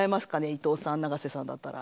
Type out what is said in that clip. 伊藤さん永瀬さんだったら。